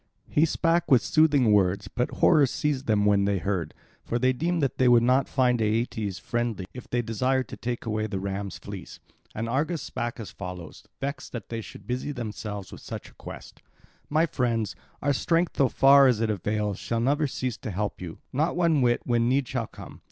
He spake with soothing words; but horror seized them when they heard. For they deemed that they would not find Aeetes friendly if they desired to take away the ram's fleece. And Argus spake as follows, vexed that they should busy themselves with such a quest: "My friends, our strength, so far as it avails, shall never cease to help you, not one whit, when need shall come.